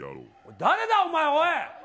誰だ、お前、おい！